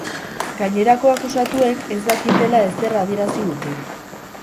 Gainerako akusatuek ez dakitela ezer adierazi dute.